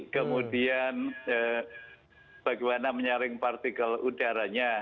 kemudian bagaimana menyaring partikel udaranya